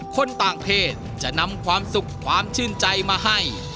คนต่างเพศจะนำความสุขความชื่นใจมาให้